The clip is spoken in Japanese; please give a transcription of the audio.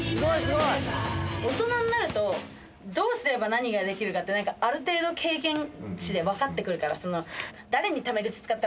大人になるとどうすれば何ができるかってある程度経験値で分かってくるから。